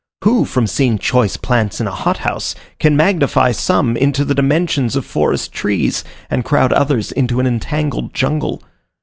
Who from seeing choice plants in a hothouse, can magnify some into the dimensions of forest trees, and crowd others into an entangled jungle?